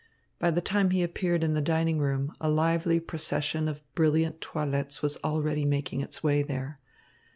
By the time he appeared in the dining room, a lively procession of brilliant toilettes was already making its way there.